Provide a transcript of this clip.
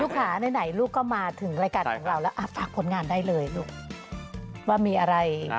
ลูกค่าในไหนลูกก็มาถึงรายการแล้วผมฝากผลงานได้เลยว่ามีอะไร